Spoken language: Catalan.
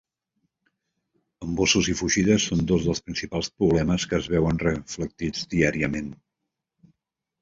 Embossos i fugides són dos dels principals problemes que es veuen reflectits diàriament.